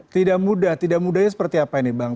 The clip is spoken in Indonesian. tidak mudah tidak mudahnya seperti apa ini bang